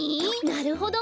なるほど。